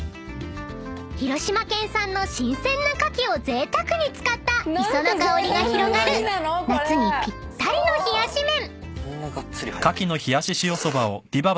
［広島県産の新鮮な牡蠣をぜいたくに使った磯の香りが広がる夏にぴったりの冷やし麺］